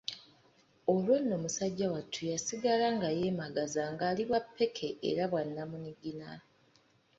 Olwo nno musajja wattu yasigala nga yeemagaza ng'ali bwa ppeke era bwa nnamunigina.